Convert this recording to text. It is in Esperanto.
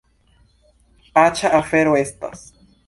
Aĉa afero estas!